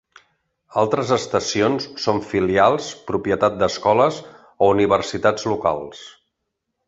Altres estacions són filials, propietat d'escoles o universitats locals.